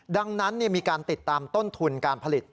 ดังนั้นมีการติดตามต้นทุนการผลิต